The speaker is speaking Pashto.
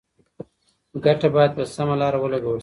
ګټه باید په سمه لاره ولګول شي.